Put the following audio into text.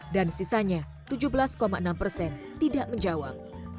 dan sisanya tujuh belas enam persen tidak menjawab